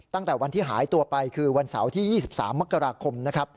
ตั้งแต่วันที่หายตัวไปคือวันเสาร์ที่๒๓มกราคมนะครับ